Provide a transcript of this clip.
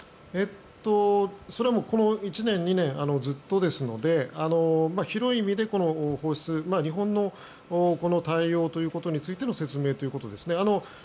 それはこの１年、２年ずっとですので広い意味で放出日本の対応ということについての説明ということですね。